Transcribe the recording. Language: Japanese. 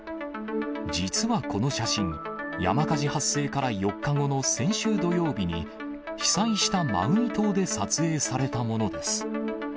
実はこの写真、山火事発生から４日後の先週土曜日に、被災したマウイ島で撮影されたものです。